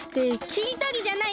しりとりじゃない！